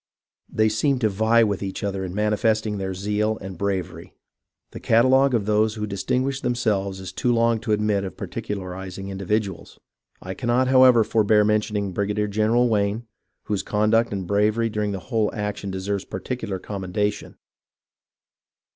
They seemed to vie with each other in manifesting their zeal and bravery. The catalogue of those who distinguished themselves is too long to admit of particularizing individuals. I cannot, however, forbear mentioning Brigadier General Wayne, whose conduct and bravery during the whole action deserve par ticular commendation.